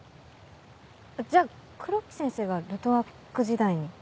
じゃあ黒木先生がルトワック時代に？